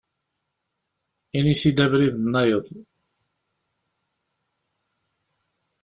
Ini-t-id abrid-nnayeḍ.